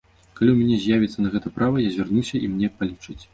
Калі ў мяне з'явіцца на гэта права, я звярнуся і мне палічаць.